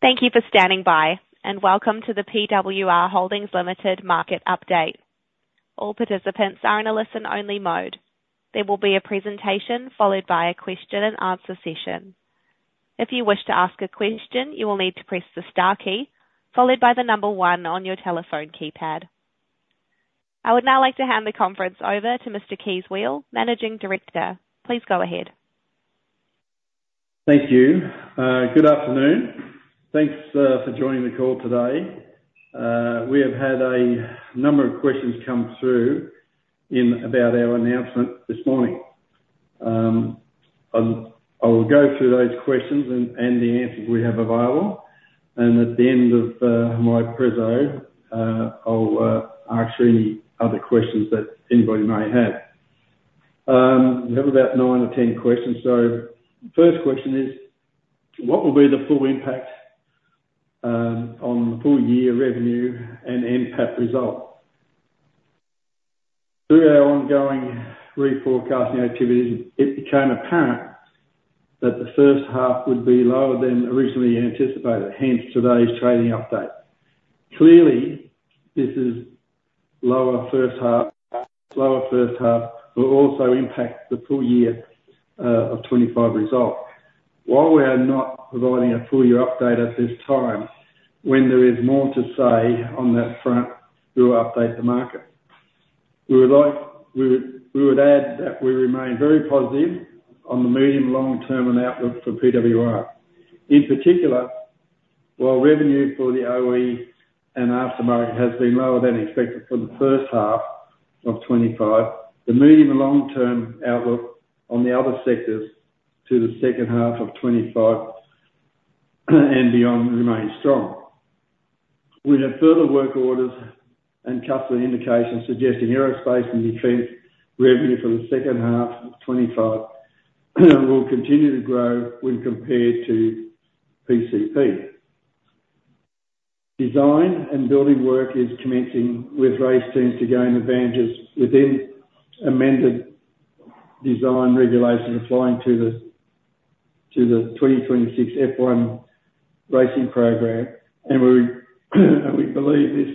Thank you for standing by, and welcome to the PWR Holdings Limited Market Update. All participants are in a listen-only mode. There will be a presentation followed by a question-and-answer session. If you wish to ask a question, you will need to press the star key, followed by the number one on your telephone keypad. I would now like to hand the conference over to Mr. Kees Weel, Managing Director. Please go ahead. Thank you. Good afternoon. Thanks for joining the call today. We have had a number of questions come through about our announcement this morning. I will go through those questions and the answers we have available, and at the end of my presentation, I'll answer any other questions that anybody may have. We have about nine or 10 questions. So the first question is, what will be the full impact on the full-year revenue and NPAT result? Through our ongoing reforecasting activities, it became apparent that the first half would be lower than originally anticipated, hence today's trading update. Clearly, this is lower first half, but also impacts the full year of 2025 result. While we are not providing a full-year update at this time, when there is more to say on that front, we will update the market. We would add that we remain very positive on the medium-long-term outlook for PWR. In particular, while revenue for the OE and aftermarket has been lower than expected for the first half of 2025, the medium-long-term outlook on the other sectors to the second half of 2025 and beyond remains strong. We have further work orders and customer indications suggesting aerospace and defense revenue for the second half of 2025 will continue to grow when compared to PCP. Design and building work is commencing, with race teams to gain advantages within amended design regulations applying to the 2026 F1 racing program, and we believe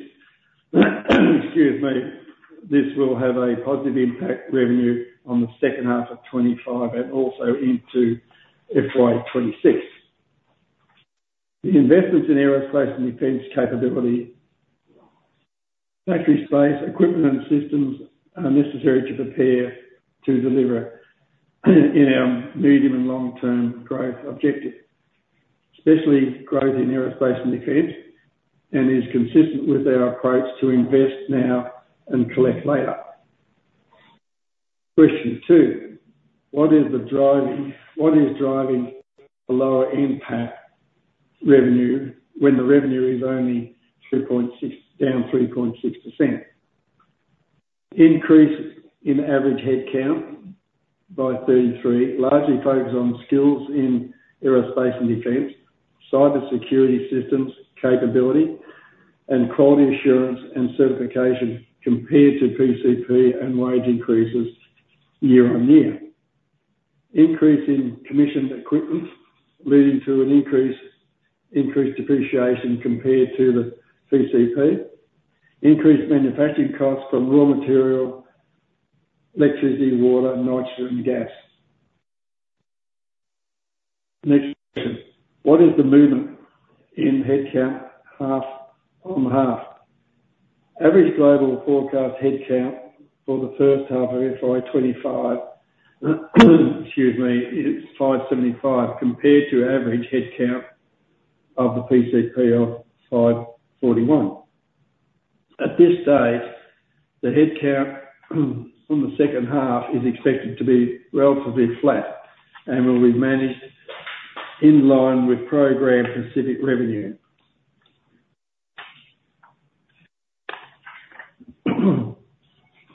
this will have a positive NPAT on revenue on the second half of 2025 and also into FY 2026. The investments in aerospace and defense capability, factory space, equipment, and systems are necessary to prepare to deliver in our medium and long-term growth objective, especially growth in aerospace and defense, and is consistent with our approach to invest now and collect later. Question two, what is driving the lower NPAT revenue when the revenue is only down 3.6%? Increase in average headcount by 33, largely focused on skills in aerospace and defense, cybersecurity systems capability, and quality assurance and certification compared to PCP and wage increases year on year. Increase in commissioned equipment leading to an increased depreciation compared to the PCP. Increased manufacturing costs for raw material, electricity, water, nitrogen, and gas. Next question, what is the movement in headcount half on the half? Average global forecast headcount for the first half of FY25, excuse me, is 575 compared to average headcount of the PCP of 541. At this stage, the headcount on the second half is expected to be relatively flat and will be managed in line with program-specific revenue.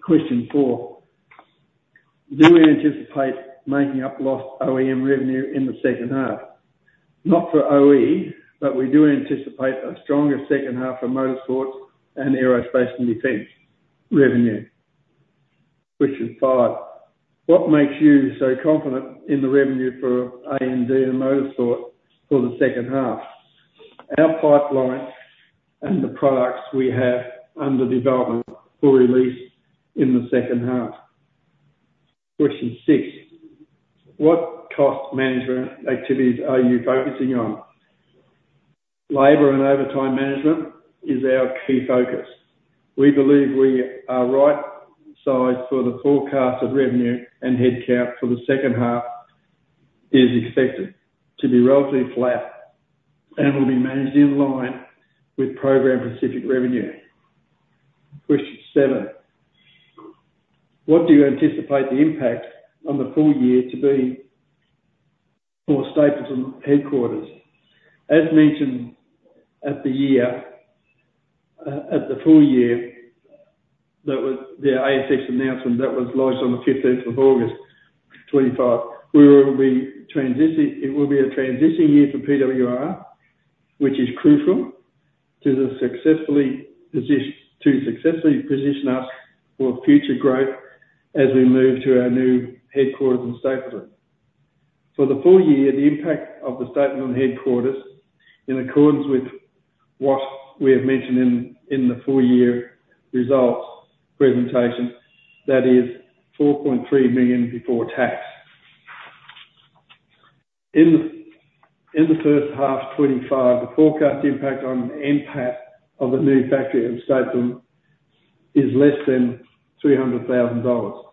Question four, do we anticipate making up lost OEM revenue in the second half? Not for OE, but we do anticipate a stronger second half for motorsports and aerospace and defense revenue. Question five, what makes you so confident in the revenue for A&D and motorsport for the second half? Our pipeline and the products we have under development for release in the second half. Question six, what cost management activities are you focusing on? Labor and overtime management is our key focus. We believe we are right sized for the forecasted revenue, and headcount for the second half is expected to be relatively flat and will be managed in line with program-specific revenue. Question seven, what do you anticipate the impact on the full year to be for Stapleton headquarters? As mentioned at the full year, the ASX announcement that was launched on the 15th of August 2024, it will be a transition year for PWR, which is crucial to successfully position us for future growth as we move to our new headquarters in Stapleton. For the full year, the impact of the Stapleton headquarters, in accordance with what we have mentioned in the full-year results presentation, that is 4.3 million before tax. In the first half of 2025, the forecast impact of the new factory at Stapleton is less than 300,000 dollars.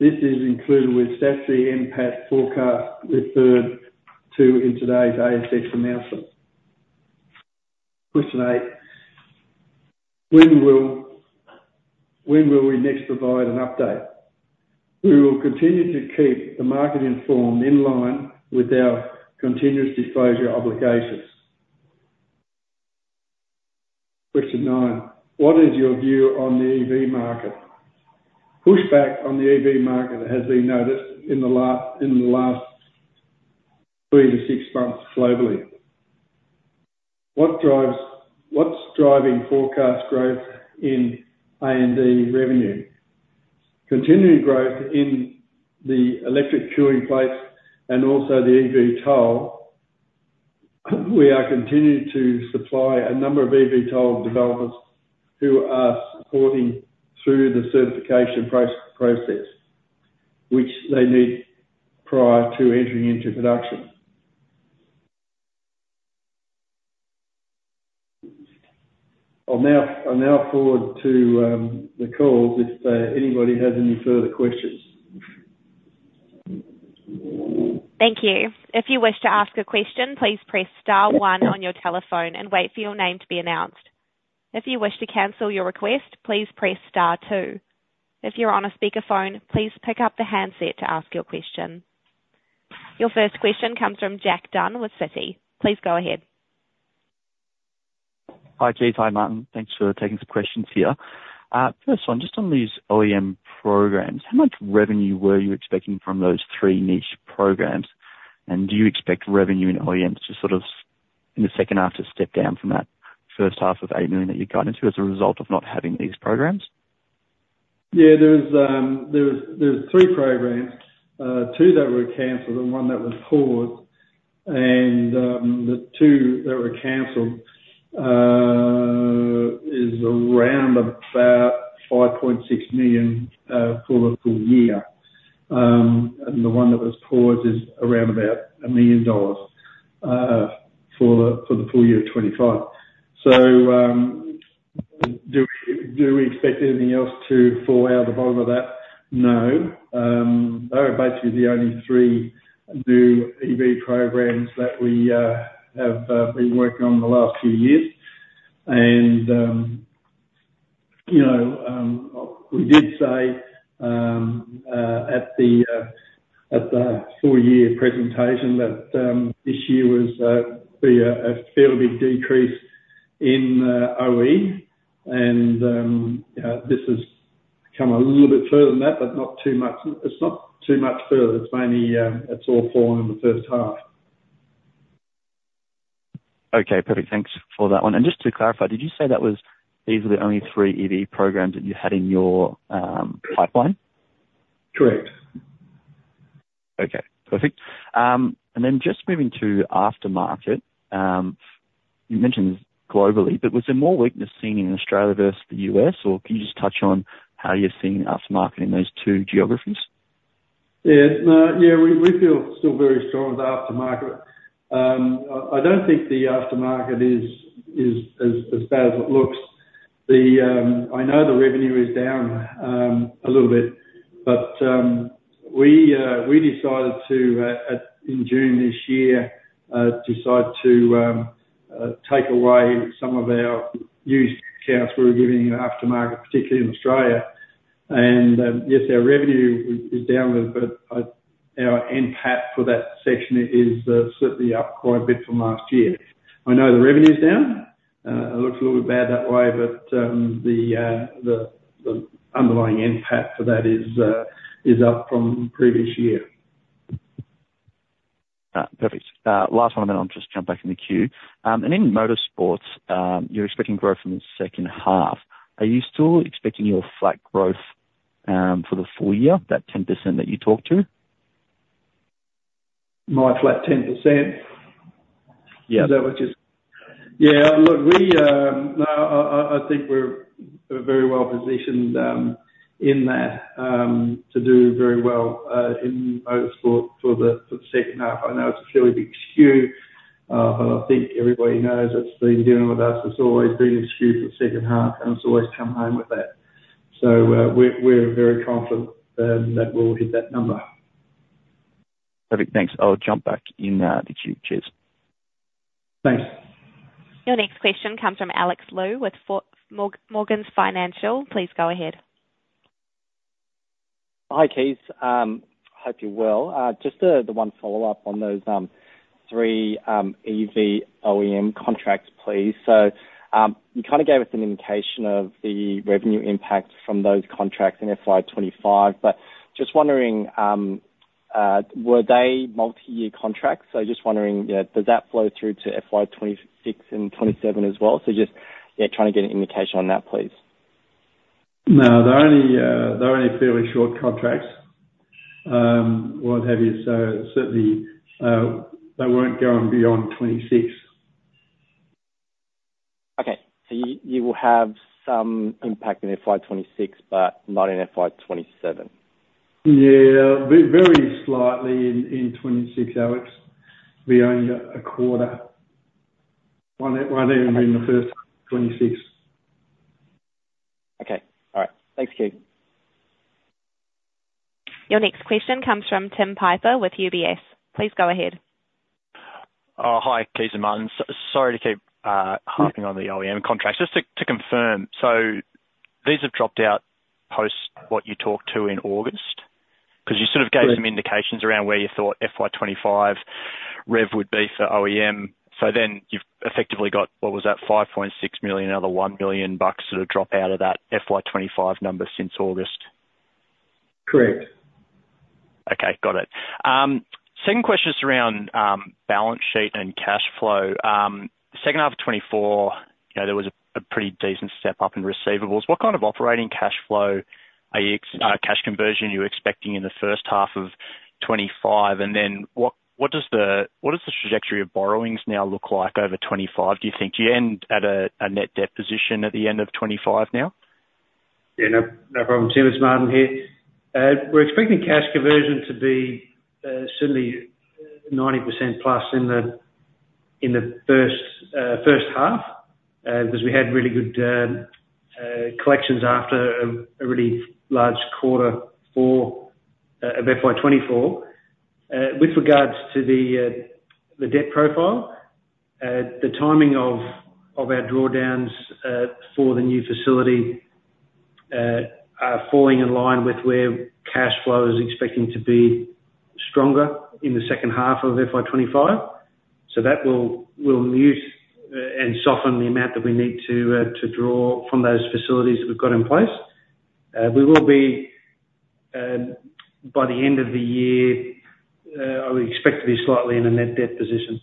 This is included with statutory impact forecast referred to in today's ASX announcement. Question eight, when will we next provide an update? We will continue to keep the market informed in line with our continuous disclosure obligations. Question nine, what is your view on the EV market? Pushback on the EV market has been noticed in the last three to six months globally. What's driving forecast growth in A&D revenue? Continuing growth in the electric cold plates and also the eVTOL. We are continuing to supply a number of eVTOL developers who are supporting through the certification process, which they need prior to entering into production. I'll now forward to the calls if anybody has any further questions. Thank you. If you wish to ask a question, please press star one on your telephone and wait for your name to be announced. If you wish to cancel your request, please press star two. If you're on a speakerphone, please pick up the handset to ask your question. Your first question comes from Jack Dunn with Citi. Please go ahead. Hi, Kees. Hi, Martin. Thanks for taking some questions here. First one, just on these OEM programs, how much revenue were you expecting from those three niche programs? And do you expect revenue in OEMs to sort of in the second half to step down from that first half of 8 million that you got into as a result of not having these programs? Yeah, there were three programs, two that were canceled and one that was paused. And the two that were canceled is around about 5.6 million for the full year. And the one that was paused is around about a million dollars for the full year of 2025. So do we expect anything else to fall out of the blue with that? No. They're basically the only three new EV programs that we have been working on the last few years. And we did say at the full-year presentation that this year was a fairly big decrease in OE, and this has come a little bit further than that, but not too much. It's not too much further. It's all falling in the first half. Okay. Perfect. Thanks for that one. And just to clarify, did you say that these were the only three EV programs that you had in your pipeline? Correct. Okay. Perfect. And then just moving to aftermarket, you mentioned globally, but was there more weakness seen in Australia versus the U.S., or can you just touch on how you're seeing aftermarket in those two geographies? Yeah. Yeah. We feel still very strong with the aftermarket. I don't think the aftermarket is as bad as it looks. I know the revenue is down a little bit, but we decided to, in June this year, take away some of our used accounts we were giving aftermarket, particularly in Australia. And yes, our revenue is down a little bit, but our impact for that section is certainly up quite a bit from last year. I know the revenue is down. It looks a little bit bad that way, but the underlying impact for that is up from previous year. Perfect. Last one then. I'll just jump back in the queue, and in motorsports, you're expecting growth in the second half. Are you still expecting your flat growth for the full year, that 10% that you talked to? My flat 10%? Yes. Is that what you're saying? Yeah. Look, I think we're very well positioned in that to do very well in motorsport for the second half. I know it's a fairly big skew, but I think everybody knows that's been dealing with us. It's always been a skew for the second half, and it's always come home with that. So we're very confident that we'll hit that number. Perfect. Thanks. I'll jump back in now. Did you? Cheers. Thanks. Your next question comes from Alex Lu with Morgans Financial. Please go ahead. Hi, Kees. Hope you're well. Just the one follow-up on those three EV OEM contracts, please. So you kind of gave us an indication of the revenue impact from those contracts in FY25, but just wondering, were they multi-year contracts? So just wondering, does that flow through to FY26 and '27 as well? So just trying to get an indication on that, please. No, they're only fairly short contracts. What have you. So certainly, they weren't going beyond 2026. Okay. So you will have some impact in FY26, but not in FY27? Yeah. Very slightly in 2026, Alex. We only got a quarter. Why don't you bring the first half of 2026? Okay. All right. Thanks, Kees. Your next question comes from Tim Piper with UBS. Please go ahead. Hi, Kees and Martin. Sorry to keep harping on the OEM contracts. Just to confirm, so these have dropped out post what you talked to in August? Because you sort of gave some indications around where you thought FY25 rev would be for OEM. So then you've effectively got, what was that, 5.6 million, another 1 million bucks sort of drop out of that FY25 number since August? Correct. Okay. Got it. Second question is around balance sheet and cash flow. Second half of 2024, there was a pretty decent step up in receivables. What kind of operating cash flow, cash conversion are you expecting in the first half of 2025? And then what does the trajectory of borrowings now look like over 2025, do you think? Do you end at a net debt position at the end of 2025 now? Yeah. No problem. Tim, it's Martin here. We're expecting cash conversion to be certainly 90% plus in the first half because we had really good collections after a really large quarter of FY24. With regards to the debt profile, the timing of our drawdowns for the new facility are falling in line with where cash flow is expecting to be stronger in the second half of FY25. So that will mute and soften the amount that we need to draw from those facilities that we've got in place. We will be, by the end of the year, I would expect to be slightly in a net debt position.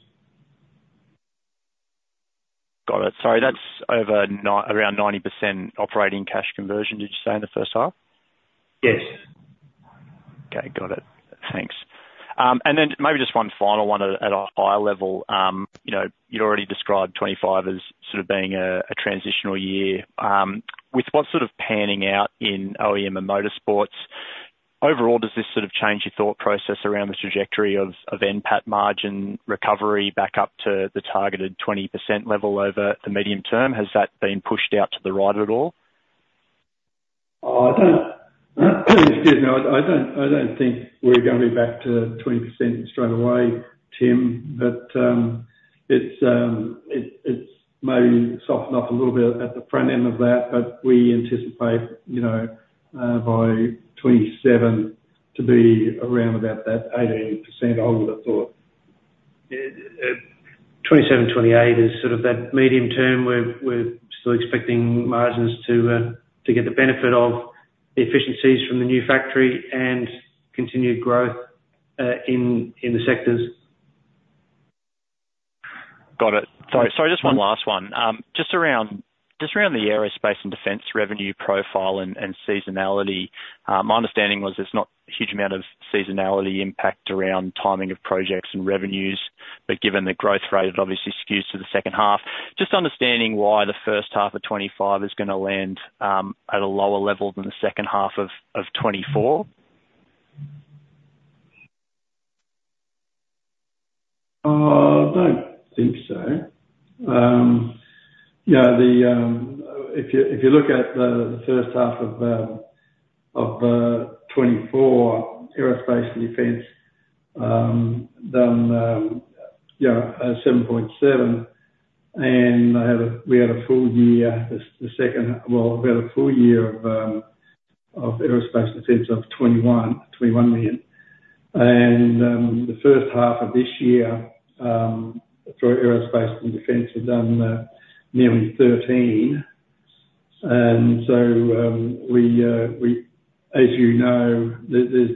Got it. Sorry. That's over around 90% operating cash conversion, did you say, in the first half? Yes. Okay. Got it. Thanks. And then maybe just one final one at a higher level. You'd already described 2025 as sort of being a transitional year. With what's sort of panning out in OEM and motorsports, overall, does this sort of change your thought process around the trajectory of NPAT margin recovery back up to the targeted 20% level over the medium term? Has that been pushed out to the right at all? Excuse me. I don't think we're going back to 20% straight away, Tim, but it's maybe softened up a little bit at the front end of that. But we anticipate by 2027 to be around about that 80% older thought. 2027, 2028 is sort of that medium term. We're still expecting margins to get the benefit of efficiencies from the new factory and continued growth in the sectors. Got it. Sorry. Just one last one. Just around the aerospace and defense revenue profile and seasonality, my understanding was there's not a huge amount of seasonality impact around timing of projects and revenues, but given the growth rate, it obviously skews to the second half. Just understanding why the first half of 2025 is going to land at a lower level than the second half of 2024? I don't think so. Yeah. If you look at the first half of 2024, aerospace and defense, then 7.7. And we had a full year, the second half, well, of aerospace and defense of 21 million. And the first half of this year for aerospace and defense had done nearly 13. And so we, as you know, there's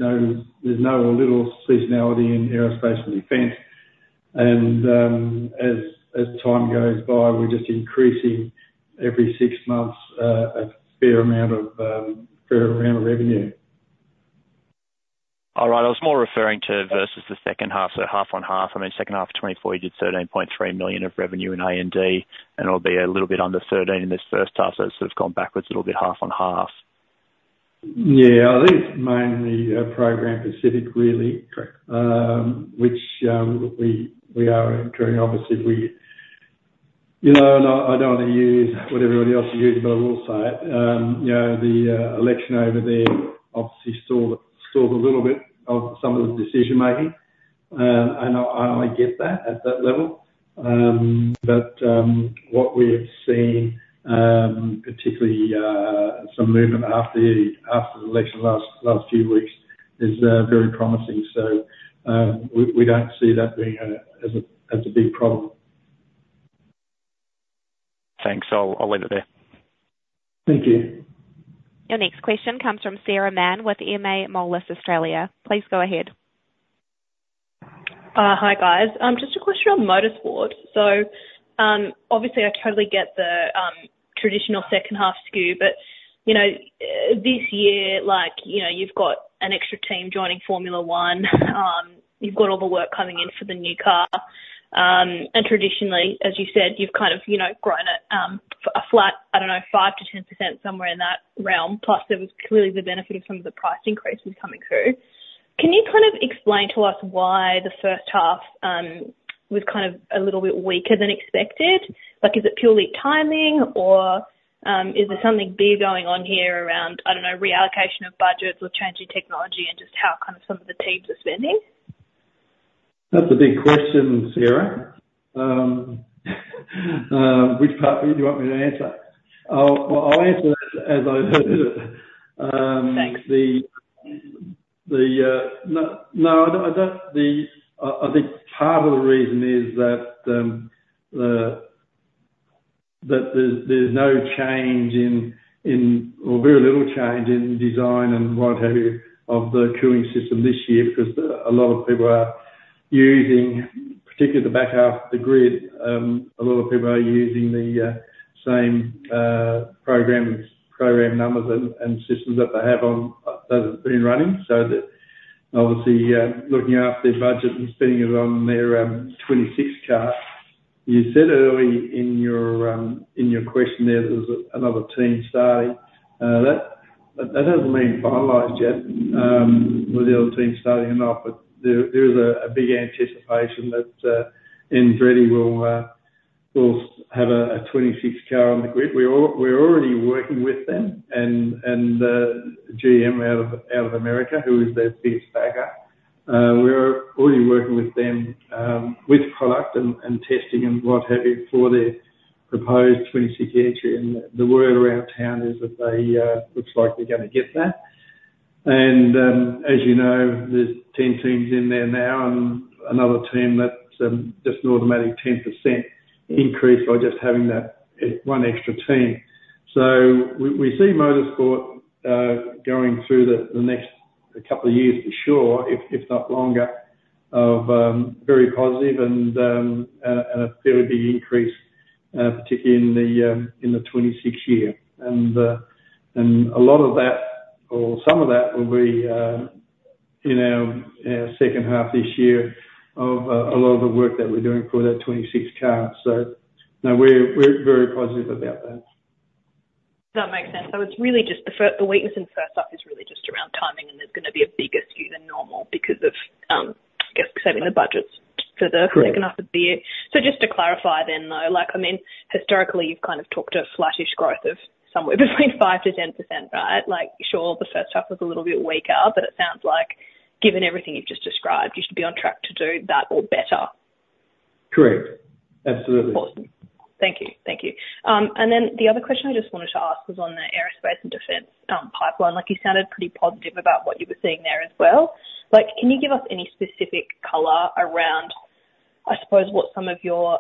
little seasonality in aerospace and defense. And as time goes by, we're just increasing every six months a fair amount of revenue. All right. I was more referring to versus the second half, so half on half. I mean, second half of 2024, you did 13.3 million of revenue in A&D, and it'll be a little bit under 13 in this first half. So it's sort of gone backwards a little bit, half on half. Yeah. I think it's mainly program pacific, really, which we are entering. Obviously, I don't want to use what everybody else is using, but I will say it. The election over there obviously stalled a little bit of some of the decision-making, and I get that at that level, but what we have seen, particularly some movement after the election last few weeks, is very promising, so we don't see that being as a big problem. Thanks. I'll leave it there. Thank you. Your next question comes from Sarah Mann with MA Moelis Australia. Please go ahead. Hi, guys. Just a question on motorsport, so obviously, I totally get the traditional second-half skew, but this year, you've got an extra team joining Formula 1. You've got all the work coming in for the new car, and traditionally, as you said, you've kind of grown it a flat, I don't know, 5%-10% somewhere in that realm. Plus, there was clearly the benefit of some of the price increases coming through. Can you kind of explain to us why the first half was kind of a little bit weaker than expected? Is it purely timing, or is there something big going on here around, I don't know, reallocation of budgets or changing technology and just how kind of some of the teams are spending? That's a big question, Sarah. Which part do you want me to answer? I'll answer as I heard it. Thanks. No, I think part of the reason is that there's no change in, or very little change in design and what have you of the cooling system this year because a lot of people are using, particularly the back half of the grid, a lot of people are using the same program numbers and systems that they have on that have been running. So obviously, looking after their budget and spending it on their '26 car. You said earlier in your question there was another team starting. That hasn't been finalized yet with the other team starting it up, but there is a big anticipation that Andretti will have a '26 car on the grid. We're already working with them and GM out of America, who is their biggest backer. We're already working with them with product and testing and what have you for their proposed '26 entry. And the word around town is that it looks like they're going to get that. And as you know, there's 10 teams in there now and another team that's just an automatic 10% increase by just having that one extra team. So we see motorsport going through the next couple of years for sure, if not longer, of very positive and a fairly big increase, particularly in the 2026 year. And a lot of that, or some of that, will be in our second half this year of a lot of the work that we're doing for that 2026 car. So we're very positive about that. That makes sense. So it's really just the weakness in the first half is really just around timing, and there's going to be a bigger skew than normal because of, I guess, saving the budgets for the second half of the year. So just to clarify then, though, I mean, historically, you've kind of talked to a flattish growth of somewhere between 5%-10%, right? Like, sure, the first half was a little bit weaker, but it sounds like, given everything you've just described, you should be on track to do that or better. Correct. Absolutely. Awesome. Thank you. Thank you. And then the other question I just wanted to ask was on the aerospace and defense pipeline. You sounded pretty positive about what you were seeing there as well. Can you give us any specific color around, I suppose, what some of your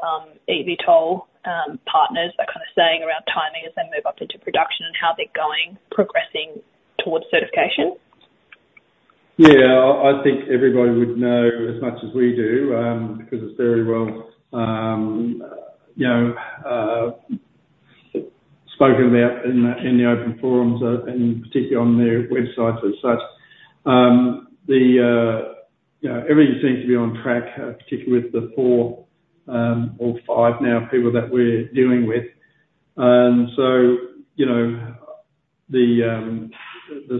eVTOL partners are kind of saying around timing as they move up into production and how they're going, progressing towards certification? Yeah. I think everybody would know as much as we do because it's very well spoken about in the open forums, and particularly on their websites and such. Everything seems to be on track, particularly with the four or five now people that we're dealing with. And so the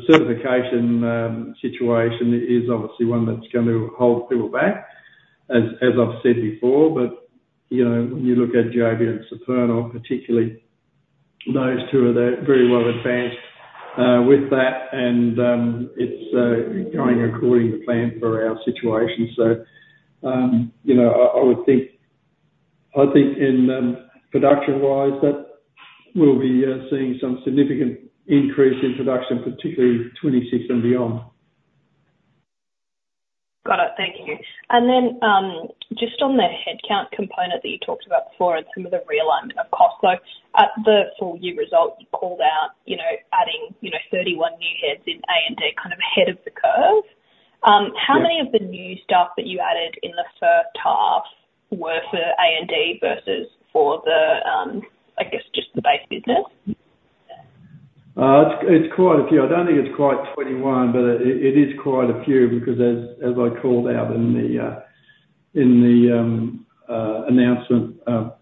certification situation is obviously one that's going to hold people back, as I've said before. But when you look at Joby and Supernal, particularly those two are very well advanced with that, and it's going according to plan for our situation. So I would think, production-wise, that we'll be seeing some significant increase in production, particularly 2026 and beyond. Got it. Thank you. And then just on the headcount component that you talked about before and some of the realignment of costs, so at the full year result, you called out adding 31 new heads in A&D kind of ahead of the curve. How many of the new stuff that you added in the first half were for A&D versus for the, I guess, just the base business? It's quite a few. I don't think it's quite 21, but it is quite a few because, as I called out in the announcement, our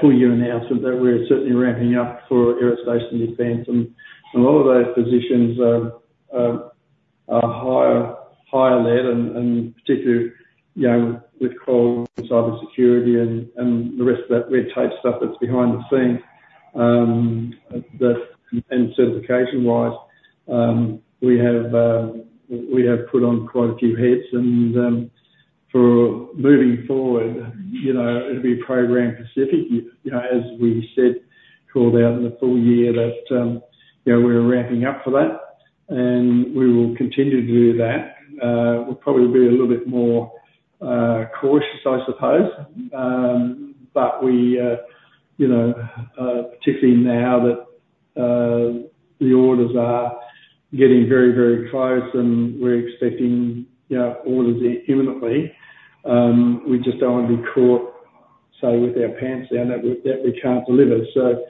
full year announcement, that we're certainly ramping up for aerospace and defense. And a lot of those positions are higher paid, and particularly with cold and cybersecurity and the rest of that red tape stuff that's behind the scenes. And certification-wise, we have put on quite a few heads. And for moving forward, it'll be program specific, as we said, called out in the full year that we're ramping up for that, and we will continue to do that. We'll probably be a little bit more cautious, I suppose. But particularly now that the orders are getting very, very close and we're expecting orders imminently, we just don't want to be caught, say, with our pants down that we can't deliver. So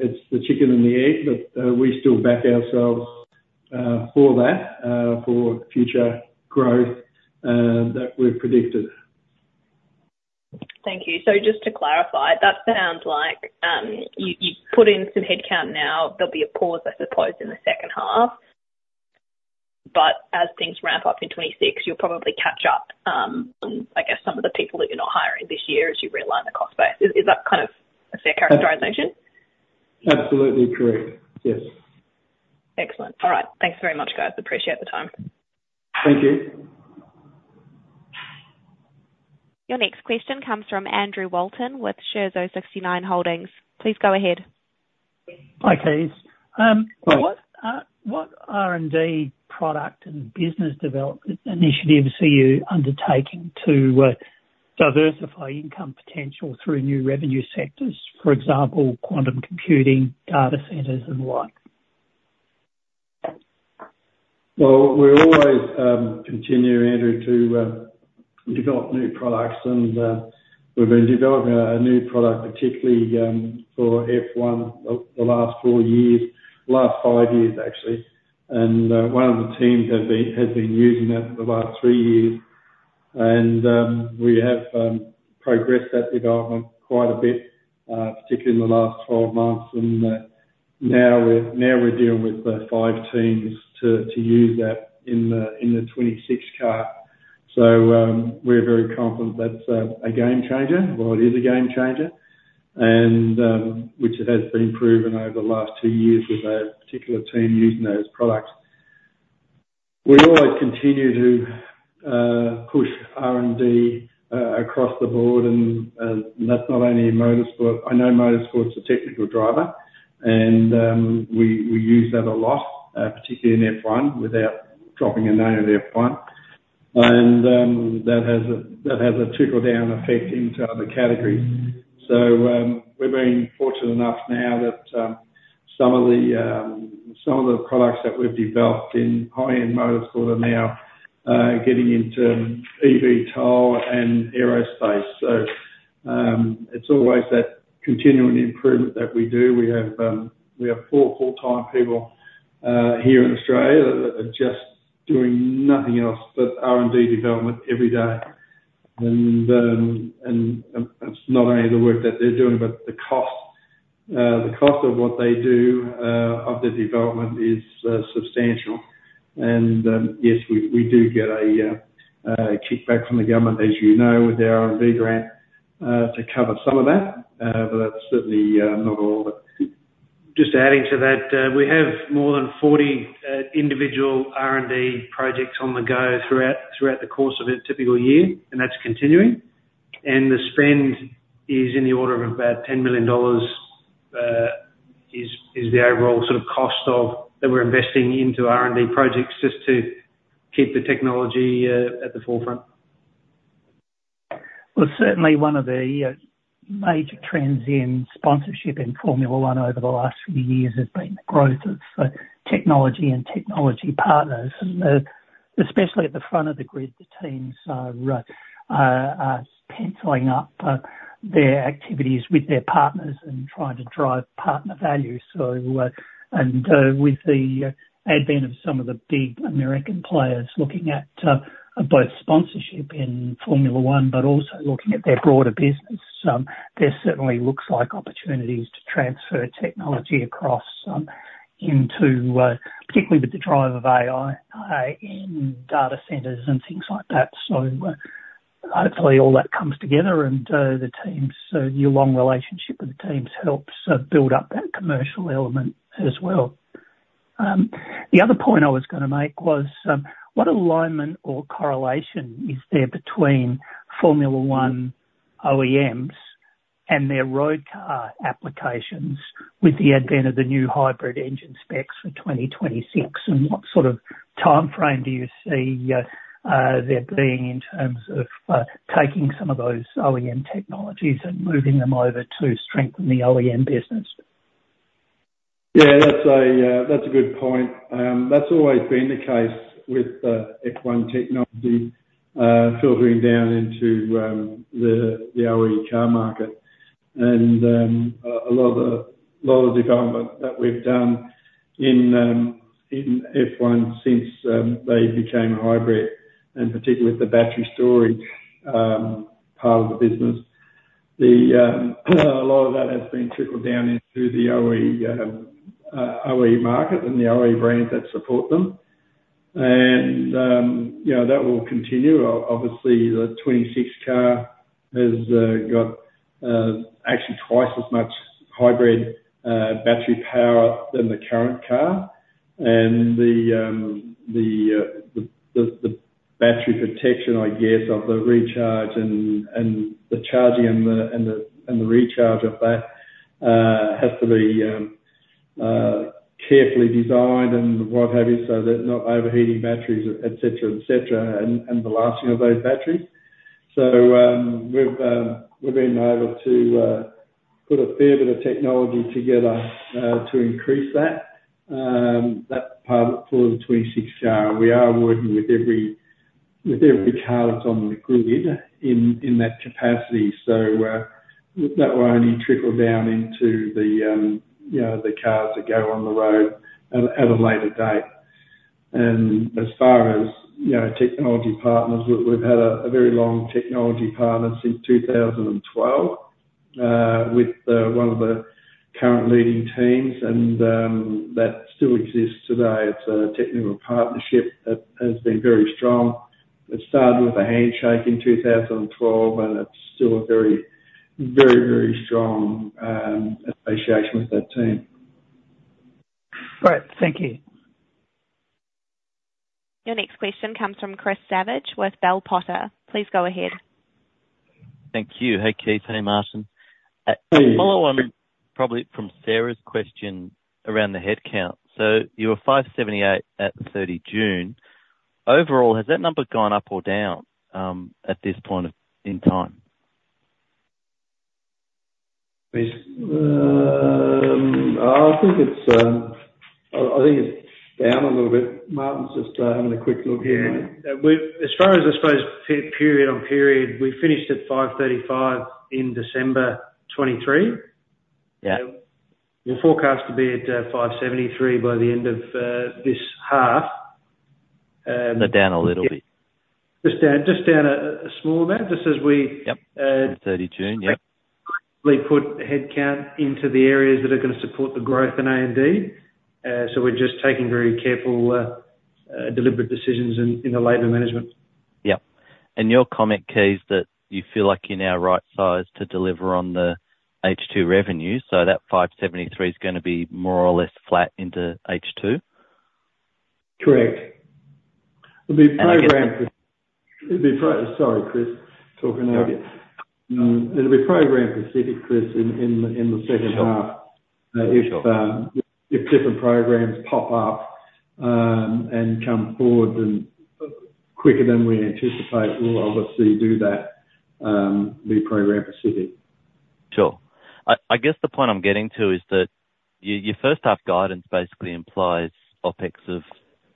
it's the chicken and the egg, but we still back ourselves for that, for future growth that we've predicted. Thank you. So just to clarify, that sounds like you've put in some headcount now. There'll be a pause, I suppose, in the second half. But as things ramp up in 2026, you'll probably catch up on, I guess, some of the people that you're not hiring this year as you realign the cost base. Is that kind of a fair characterization? Absolutely correct. Yes. Excellent. All right. Thanks very much, guys. Appreciate the time. Thank you. Your next question comes from Andrew Walton with Shaw and Partners. Please go ahead. Hi, Kees. What R&D product and business development initiatives are you undertaking to diversify income potential through new revenue sectors, for example, quantum computing, data centers, and the like? We always continue, Andrew, to develop new products. We've been developing a new product, particularly for F1, the last four years, the last five years, actually. One of the teams has been using that for the last three years. We have progressed that development quite a bit, particularly in the last 12 months. Now we're dealing with five teams to use that in the 2026 car. We're very confident that's a game changer. It is a game changer, which has been proven over the last two years with a particular team using those products. We always continue to push R&D across the board. That's not only in motorsport. I know motorsport's a technical driver, and we use that a lot, particularly in F1, without dropping a name in F1. That has a trickle-down effect into other categories. We're being fortunate enough now that some of the products that we've developed in high-end motorsport are now getting into eVTOL and aerospace. It's always that continuing improvement that we do. We have four full-time people here in Australia that are just doing nothing else but R&D development every day. It's not only the work that they're doing, but the cost of what they do, of their development, is substantial. Yes, we do get a kickback from the government, as you know, with their R&D grant to cover some of that. That's certainly not all. Just adding to that, we have more than 40 individual R&D projects on the go throughout the course of a typical year, and that's continuing, and the spend is in the order of about 10 million dollars, is the overall sort of cost that we're investing into R&D projects just to keep the technology at the forefront. Certainly, one of the major trends in sponsorship in Formula 1 over the last few years has been the growth of technology and technology partners. Especially at the front of the grid, the teams are penciling up their activities with their partners and trying to drive partner value. With the advent of some of the big American players looking at both sponsorship in Formula 1, but also looking at their broader business, there certainly looks like opportunities to transfer technology across into, particularly with the drive of AI in data centers and things like that. Hopefully, all that comes together, and the team's year-long relationship with the teams helps build up that commercial element as well. The other point I was going to make was what alignment or correlation is there between Formula 1 OEMs and their road car applications with the advent of the new hybrid engine specs for 2026? And what sort of timeframe do you see there being in terms of taking some of those OEM technologies and moving them over to strengthen the OEM business? Yeah, that's a good point. That's always been the case with F1 technology filtering down into the OE car market. And a lot of the development that we've done in F1 since they became hybrid, and particularly with the battery storage part of the business, a lot of that has been trickled down into the OE market and the OE brands that support them. And that will continue. Obviously, the 2026 car has got actually twice as much hybrid battery power than the current car. And the battery protection, I guess, of the recharge and the charging and the recharge of that has to be carefully designed and what have you so they're not overheating batteries, etc., etc., and the lasting of those batteries. So we've been able to put a fair bit of technology together to increase that. That part of the '26 car, we are working with every car that's on the grid in that capacity. So that will only trickle down into the cars that go on the road at a later date. And as far as technology partners, we've had a very long technology partner since 2012 with one of the current leading teams, and that still exists today. It's a technical partnership that has been very strong. It started with a handshake in 2012, and it's still a very, very, very strong association with that team. Great. Thank you. Your next question comes from Chris Savage with Bell Potter. Please go ahead. Thank you. Hey, Kees. Hey, Martin. Hey. Follow-on probably from Sarah's question around the headcount. So you were 578 at the 30 June. Overall, has that number gone up or down at this point in time? I think it's down a little bit. Martin's just having a quick look here. As far as, I suppose, period on period, we finished at 535 in December 2023. We're forecast to be at 573 by the end of this half. Is that down a little bit? Just down a small amount, just as we. Yeah. 30 June, yeah. We put headcount into the areas that are going to support the growth in A&D. So we're just taking very careful, deliberate decisions in the labor management. Yep. And your comment, Kees, that you feel like you're now right-sized to deliver on the H2 revenue. So that 573 is going to be more or less flat into H2? Correct. It'll be program. Sorry, Chris, talking out of it. It'll be program-specific, Chris, in the second half. If different programs pop up and come forward quicker than we anticipate, we'll obviously do that. It'll be program-specific. Sure. I guess the point I'm getting to is that your first half guidance basically implies OPEX of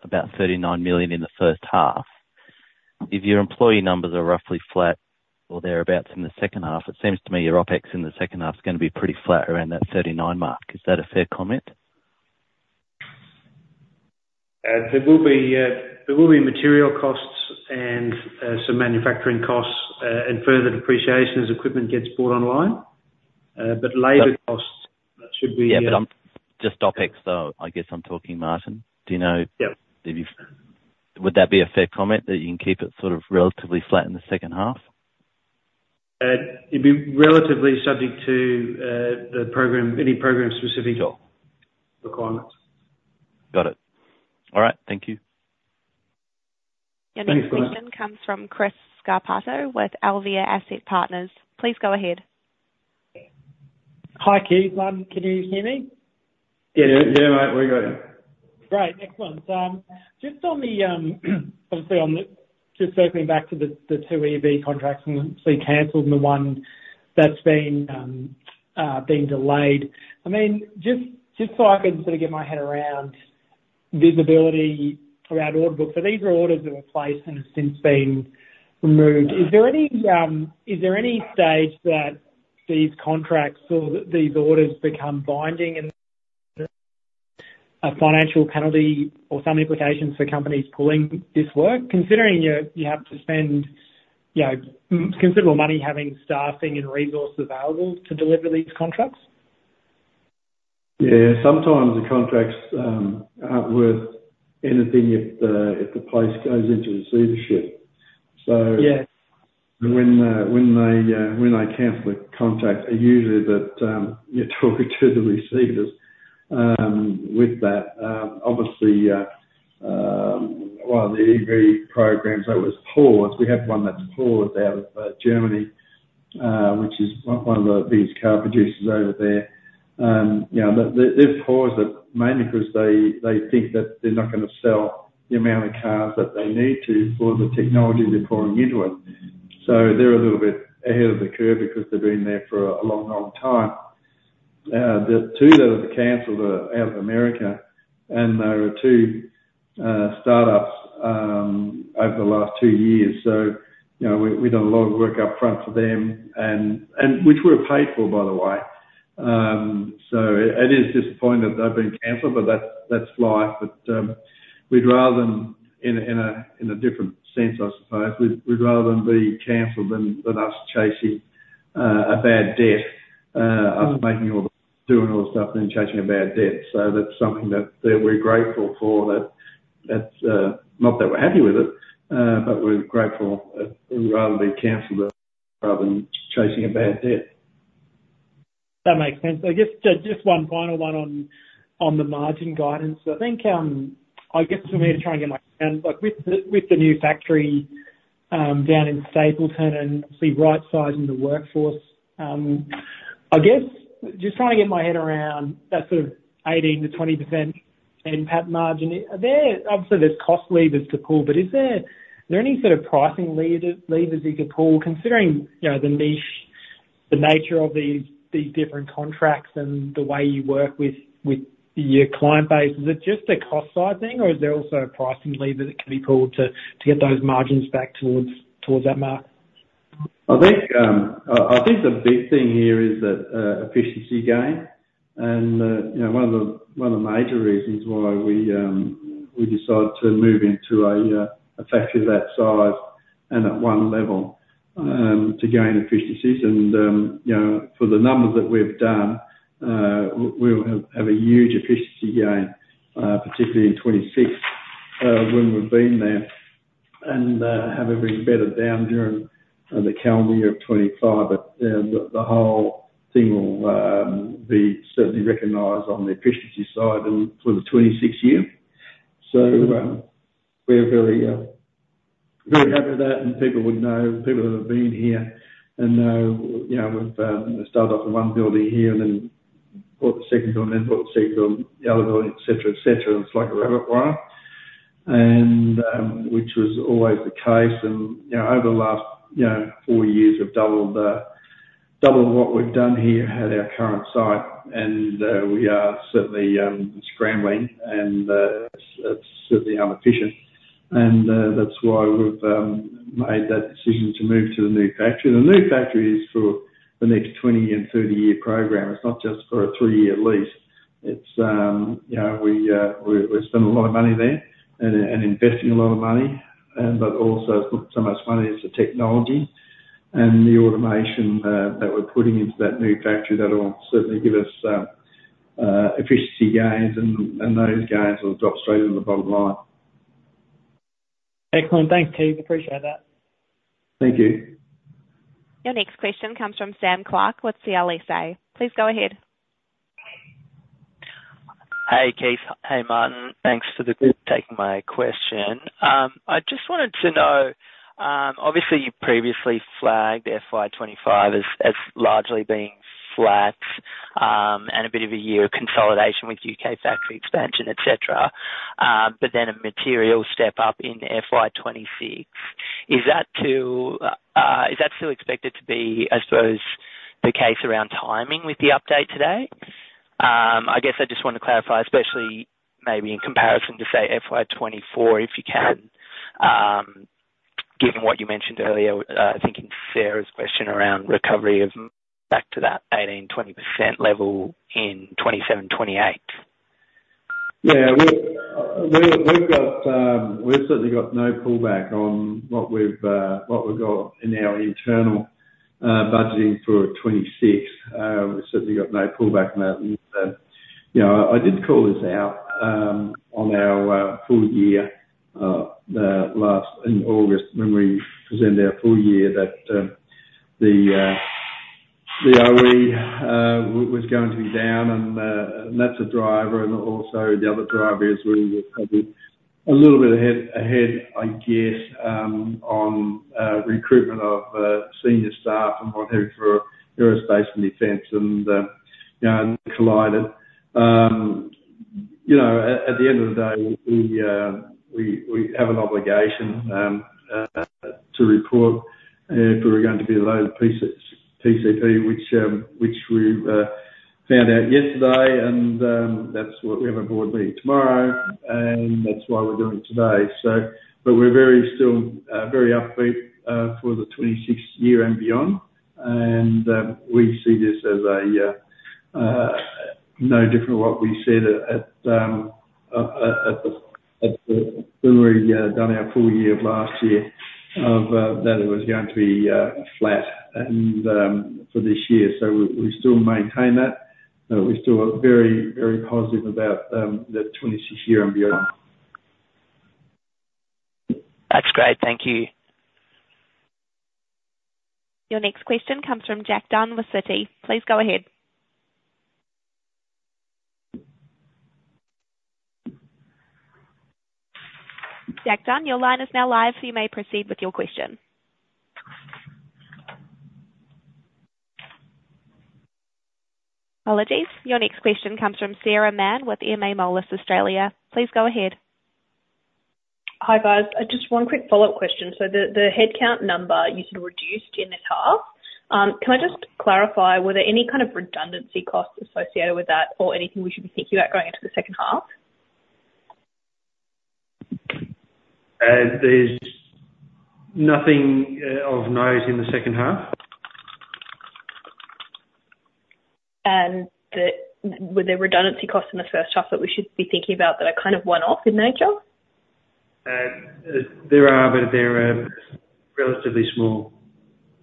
about 39 million in the first half. If your employee numbers are roughly flat or thereabouts in the second half, it seems to me your OPEX in the second half is going to be pretty flat around that 39 million mark. Is that a fair comment? There will be material costs and some manufacturing costs and further depreciation as equipment gets brought online. But labor costs, that should be. Yeah, but just OPEX though, I guess I'm talking, Martin. Do you know if you would that be a fair comment that you can keep it sort of relatively flat in the second half? It'd be relatively subject to any program-specific requirements. Got it. All right. Thank you. Your next question comes from Chris Scarpotto with Alvia Asset Partners. Please go ahead. Hi, Kees. Martin, can you hear me? Yeah, yeah, mate. We're good. Great. Next one. Just on the, obviously, just circling back to the two EV contracts mostly canceled and the one that's been delayed. I mean, just so I can sort of get my head around visibility around order books, so these are orders that were placed and have since been removed. Is there any stage that these contracts or these orders become binding and a financial penalty or some implications for companies pulling this work, considering you have to spend considerable money having staffing and resources available to deliver these contracts? Yeah. Sometimes the contracts aren't worth anything if the place goes into receivership. So when they cancel the contract, usually that you're talking to the receivers with that. Obviously, one of the EV programs that was paused. We have one that's paused out of Germany, which is one of the biggest car producers over there. It's paused mainly because they think that they're not going to sell the amount of cars that they need to for the technology they're pouring into it. So they're a little bit ahead of the curve because they've been there for a long, long time. The two that have canceled are out of America, and there are two startups over the last two years. So we've done a lot of work upfront for them, which we're paid for, by the way. So it is disappointing that they've been canceled, but that's life. But we'd rather than, in a different sense, I suppose, we'd rather than be canceled than us chasing a bad debt, us making, doing all the stuff and then chasing a bad debt. So that's something that we're grateful for. Not that we're happy with it, but we're grateful that we'd rather be canceled rather than chasing a bad debt. That makes sense. I guess just one final one on the margin guidance. I guess for me to try and get my head around, with the new factory down in Stapleton and obviously right-sizing the workforce, I guess just trying to get my head around that sort of 18%-20% NPAT margin, obviously there's cost levers to pull, but is there any sort of pricing levers you could pull considering the nature of these different contracts and the way you work with your client base? Is it just a cost-side thing, or is there also a pricing lever that can be pulled to get those margins back towards that mark? I think the big thing here is that efficiency gain. One of the major reasons why we decided to move into a factory of that size and at one level to gain efficiencies. For the numbers that we've done, we'll have a huge efficiency gain, particularly in 2026 when we've been there, and have everything bedded down during the calendar year of 2025. The whole thing will be certainly recognised on the efficiency side for the 2026 year. We're very happy with that. People would know, people that have been here and know, we've started off in one building here and then bought the second building and then bought the second building, the other building, etc., etc. It's like a rabbit warren, which was always the case. Over the last four years, we've doubled what we've done here at our current site. We are certainly scrambling, and it's certainly inefficient. That's why we've made that decision to move to the new factory. The new factory is for the next 20- and 30-year program. It's not just for a three-year lease. We're spending a lot of money there and investing a lot of money, but also it's not so much money as the technology and the automation that we're putting into that new factory that will certainly give us efficiency gains, and those gains will drop straight into the bottom line. Excellent. Thanks, Kees. Appreciate that. Thank you. Your next question comes from Sam Clark with Select Equities. Please go ahead. Hey, Kees. Hey, Martin. Thanks for taking my question. I just wanted to know, obviously, you previously flagged FY25 as largely being flat and a bit of a year of consolidation with UK factory expansion, etc., but then a material step up in FY26. Is that still expected to be, I suppose, the case around timing with the update today? I guess I just want to clarify, especially maybe in comparison to, say, FY24, if you can, given what you mentioned earlier, I think in Sarah's question around recovery of back to that 18%-20% level in 2027, 2028. Yeah. We've certainly got no pullback on what we've got in our internal budgeting for 2026. We've certainly got no pullback on that. I did call this out on our full year last in August when we presented our full year that the OEM was going to be down, and that's a driver. And also, the other driver is we were probably a little bit ahead, I guess, on recruitment of senior staff and what have you for aerospace and defense and allied. At the end of the day, we have an obligation to report if we're going to be a loaded PCP, which we found out yesterday. And that's what we have a board meeting tomorrow, and that's why we're doing it today. But we're still very upbeat for the 2026 year and beyond. And we see this as no different from what we said at the when we done our full year last year of that it was going to be flat for this year. So we still maintain that. We're still very, very positive about the 2026 year and beyond. That's great. Thank you. Your next question comes from Jack Dunn with Citi. Please go ahead. Jack Dunn, your line is now live, so you may proceed with your question. Apologies. Your next question comes from Sarah Mann with MA Moelis Australia. Please go ahead. Hi, guys. Just one quick follow-up question. So the headcount number you said reduced in this half. Can I just clarify, were there any kind of redundancy costs associated with that or anything we should be thinking about going into the second half? There's nothing of note in the second half. Were there redundancy costs in the first half that we should be thinking about that are kind of one-off in nature? There are, but they're relatively small.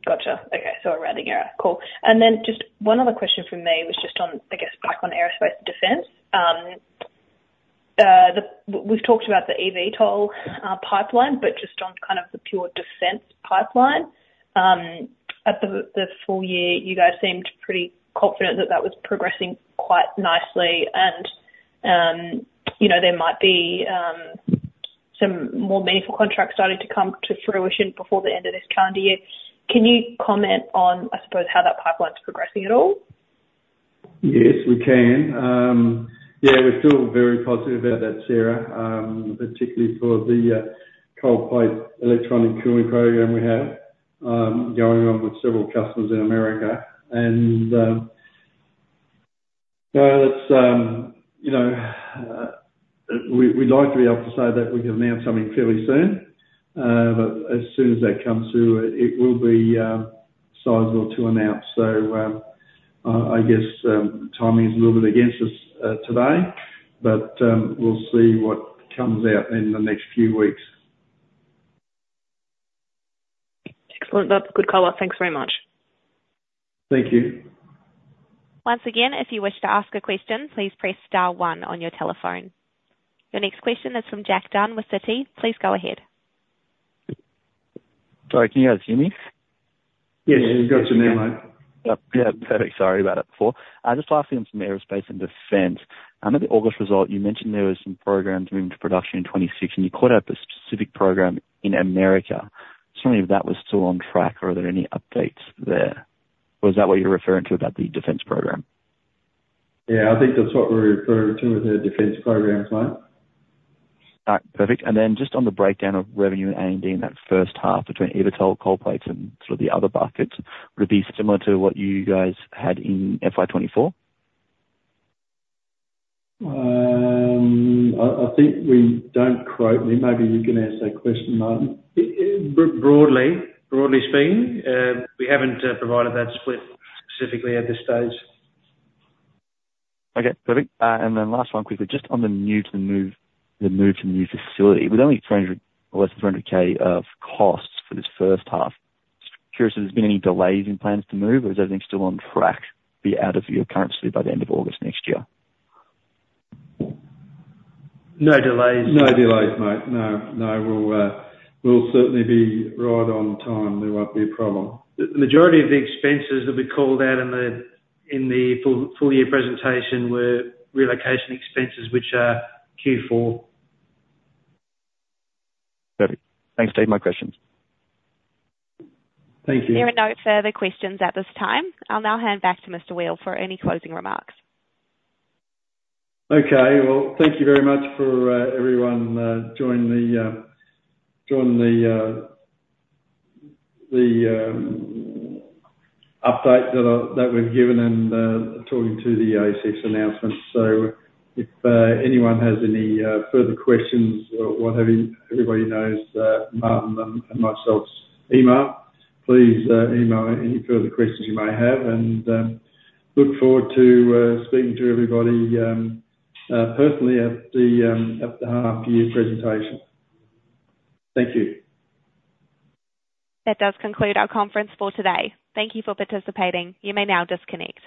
Gotcha. Okay. So a routing error. Cool. And then just one other question from me was just on, I guess, back on aerospace and defense. We've talked about the eVTOL pipeline, but just on kind of the pure defense pipeline. At the full year, you guys seemed pretty confident that that was progressing quite nicely. And there might be some more meaningful contracts starting to come to fruition before the end of this calendar year. Can you comment on, I suppose, how that pipeline's progressing at all? Yes, we can. Yeah, we're still very positive about that, Sarah, particularly for the cold plate electronic cooling program we have going on with several customers in America. And we'd like to be able to say that we can announce something fairly soon. But as soon as that comes through, it will be sizable to announce. So I guess timing's a little bit against us today, but we'll see what comes out in the next few weeks. Excellent. That's good color. Thanks very much. Thank you. Once again, if you wish to ask a question, please press star one on your telephone. Your next question is from Jack Dunn with Citi. Please go ahead. Sorry, can you guys hear me? Yes, we've got you now, mate. Yeah. Perfect. Sorry about that before. Just lastly, on some aerospace and defense, I know the August result, you mentioned there were some programs moving to production in 2026, and you called out the specific program in America. Certainly, if that was still on track, are there any updates there? Or is that what you're referring to about the defense program? Yeah, I think that's what we referred to with our defense programs, mate. All right. Perfect. And then just on the breakdown of revenue and A&D in that first half between eVTOL, cold plates, and sort of the other buckets, would it be similar to what you guys had in FY24? I think we don't quote, maybe you can answer that question, Martin. Broadly speaking, we haven't provided that split specifically at this stage. Okay. Perfect. And then last one, quickly, just on the new move to the new facility. We're dealing with less than 300,000 of costs for this first half. Curious if there's been any delays in plans to move, or is everything still on track to be out of your current facility by the end of August next year? No delays. No delays, mate. No. No, we'll certainly be right on time. There won't be a problem. The majority of the expenses that we called out in the full year presentation were relocation expenses, which are Q4. Perfect. Thanks, Dave. My questions. Thank you. There are no further questions at this time. I'll now hand back to Mr. Weel for any closing remarks. Okay. Well, thank you very much for everyone joining the update that we've given and talking to the ASX announcements. So if anyone has any further questions or what have you, everybody knows Martin and myself's email. Please email any further questions you may have, and look forward to speaking to everybody personally at the Half-Year Presentation. Thank you. That does conclude our conference for today. Thank you for participating. You may now disconnect.